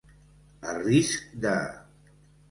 A risc de.